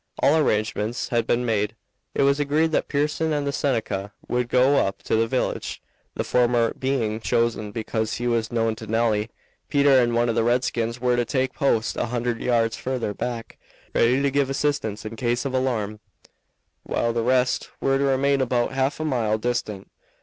All arrangements had been made. It was agreed that Pearson and the Seneca should go up to the village, the former being chosen because he was known to Nelly. Peter and one of the redskins were to take post a hundred yards further back, ready to give assistance in case of alarm, while the rest were to remain about half a mile distant.